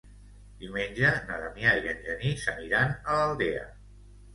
Diumenge na Damià i en Genís aniran a l'Aldea.